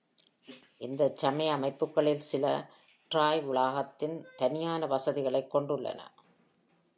இந்தச் சமய அமைப்புகளில் சில, டிராய் வளாகத்தில் தனியான வசதிகளைக் கொண்டுள்ளன.